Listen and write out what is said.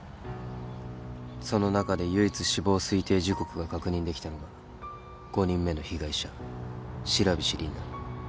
その中で唯一死亡推定時刻が確認できたのが５人目の被害者白菱凜だ。